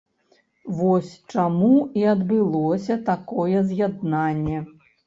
Вось чаму і адбылося такое з’яднанне.